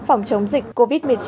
phòng chống dịch covid một mươi chín